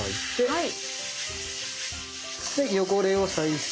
はい。